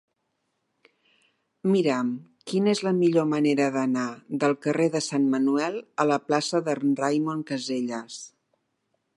Mira'm quina és la millor manera d'anar del carrer de Sant Manuel a la plaça de Raimon Casellas.